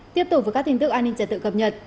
tiếp tục với các tin tức an ninh trật tự cập nhật